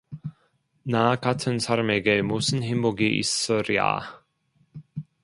나 같은 사람에게 무슨 행복이 있으랴.